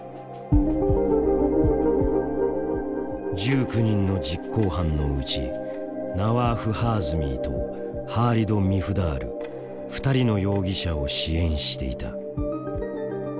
１９人の実行犯のうちナワーフ・ハーズミーとハーリド・ミフダール２人の容疑者を支援していた。